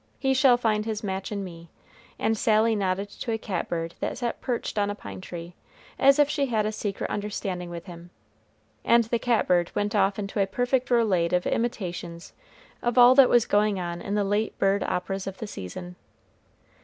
He shall find his match in me," and Sally nodded to a cat bird that sat perched on a pine tree, as if she had a secret understanding with him, and the cat bird went off into a perfect roulade of imitations of all that was going on in the late bird operas of the season.